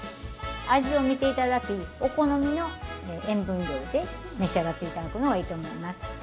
味を見て頂きお好みの塩分量で召し上がって頂くのがいいと思います。